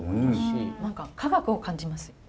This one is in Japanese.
何か科学を感じます。